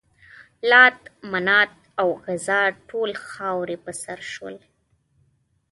لات، منات او عزا ټول خاورې په سر شول.